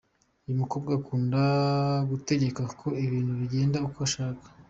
Uyu mukobwa akunda gutegeka ko ibintu bigenda uko ashaka.